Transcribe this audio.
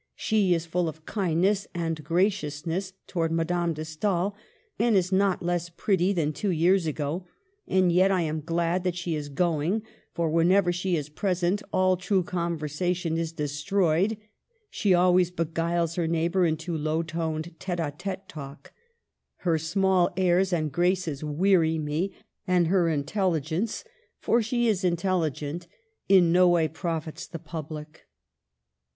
She is full of kindness and graciousness towards Madame de Stael, and is not less pretty than two years ago, and yet I am glad that she is going ; for whenever she is present, all true con versation is destroyed. She always beguiles her neighbor into low toned tSte d tite talk. Her small airs and graces weary me, and her intellk Digitized by VjOOQIC l66 MADAME DE STAEVS gence — for she is intelligent — in no way'profits the public."